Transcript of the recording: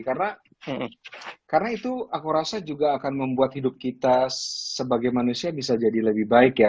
karena itu aku rasa juga akan membuat hidup kita sebagai manusia bisa jadi lebih baik ya